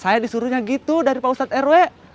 saya disuruhnya gitu dari pak ustadz rw